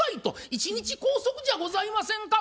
「一日拘束じゃございませんか。